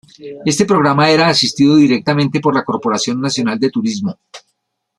Este programa era asistido directamente por la Corporación Nacional de Turismo.